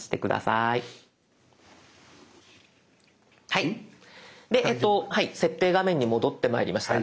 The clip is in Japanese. はいで設定画面に戻ってまいりました。